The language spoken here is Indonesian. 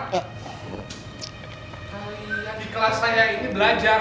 yang di kelas saya ini belajar